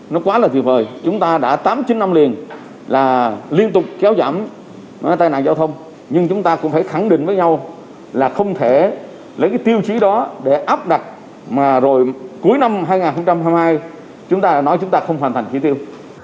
năm hai nghìn hai mươi hai chúng ta nói chúng ta không hoàn thành ký tiêu